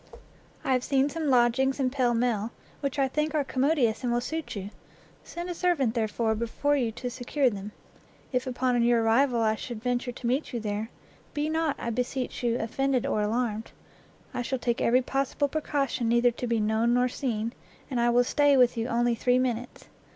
I have seen some lodgings in Pall Mall, which I think are commodious and will suit you; send a servant, therefore, before you to secure them. If upon your arrival I should venture to meet you there, be not, I beseech you, offended or alarmed; I shall take every possible precaution neither to be known nor seen, and I will stay with you only three minutes.